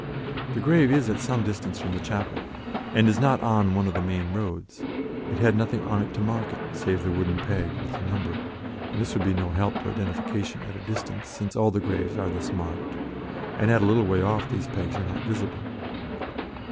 The grave is at some distance from the chapel, and is not on one of the main roads; it had nothing on it to mark it, save the wooden peg with the number, and this would be no help to identification at a distance since all the graves are thus marked, and at a little way off these pegs are not visible.